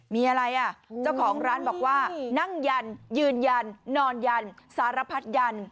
มีอะไรอ่ะเจ้าของร้านบอกว่านั่งยันยืนยันนอนยันสารพัดยัน